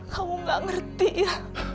kamu gak ngerti ya